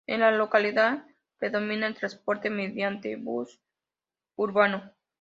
En la localidad predomina el transporte mediante bus urbano.